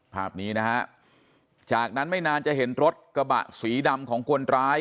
ภาพนี้นะฮะจากนั้นไม่นานจะเห็นรถกระบะสีดำของคนร้าย